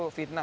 apa itu benar